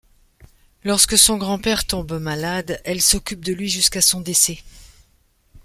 Lorsque son grand-père tombe malade, elle s'occupe de lui jusqu'à son décès.